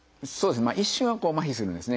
一瞬は麻痺するんですね。